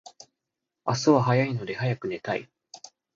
明日は早いので早く寝たい